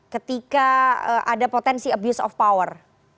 ketika ada potensi abuse of power